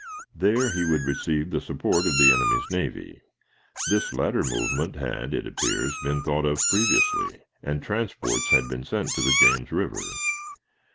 There he would receive the support of the enemy's navy. This latter movement had, it appears, been thought of previously, and transports had been sent to the James River.